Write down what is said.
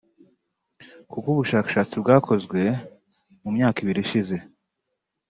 kuko ubushakashatsi bwakozwe mu myaka ibiri ishize